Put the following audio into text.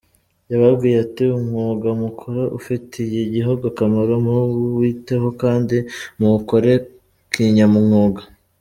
Yababwiye ati :’’Umwuga mukora ufitiye igihugu akamaro, muwiteho kandi muwukore kinyamwuga.